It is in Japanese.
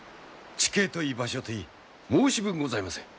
地形といい場所といい申し分ございません。